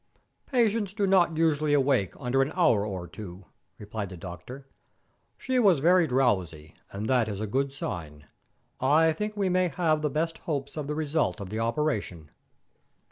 "Patients do not usually wake under an hour or two," replied the doctor. "She was very drowsy, and that is a good sign. I think we may have the best hopes of the result of the operation."